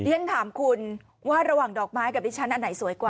ฉันถามคุณว่าระหว่างดอกไม้กับดิฉันอันไหนสวยกว่า